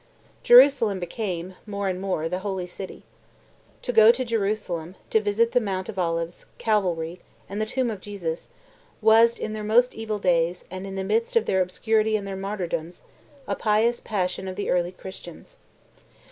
Jerusalem became, more and more, the Holy City. To go to Jerusalem, to visit the Mount of Olives, Calvary, and the tomb of Jesus, was, in their most evil days, and in the midst of their obscurity and their martyrdoms, a pious passion with the early Christians.